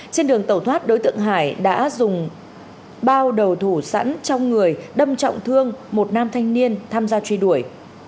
trên đường tẩu thoát đối tượng hải đã dùng bao đầu thủ sẵn trong người đâm trọng thương một nam thanh niên tham gia truy đuổi